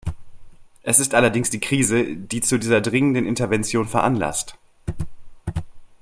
Es ist allerdings die Krise, die zu dieser dringenden Intervention veranlasst.